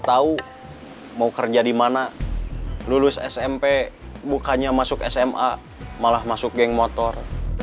tahu mau kerja di mana lulus smp bukannya masuk sma malah masuk geng motor